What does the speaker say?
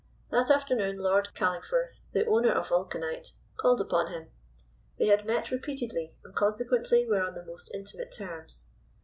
That afternoon Lord Calingforth, the owner of Vulcanite, called upon him. They had met repeatedly, and consequently were on the most intimate terms.